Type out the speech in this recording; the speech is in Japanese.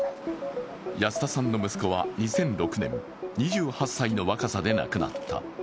安田さんの息子は２００６年、２８歳の若さで亡くなった。